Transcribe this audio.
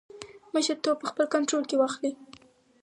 مشرتوب په خپل کنټرول کې واخلي.